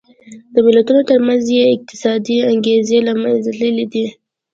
د ملتونو ترمنځ یې اقتصادي انګېزې له منځه تللې دي.